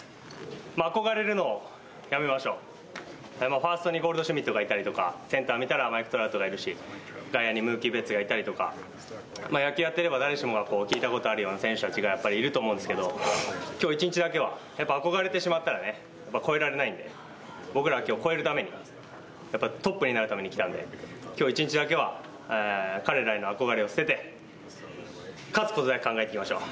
ファーストにゴールドシュミットがいたりとかセンター見たらマイク・トラウトがいるし外野にムーキー・ベッツがいたりとか野球やっていれば誰しもが聞いたことがある選手がいると思うんですが今日１日だけは憧れてしまったら超えられないんで僕らは今日超えるためにトップになるために来たので今日１日だけは彼らへの憧れを捨てて勝つことだけを考えていきましょう。